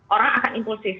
orang akan impulsif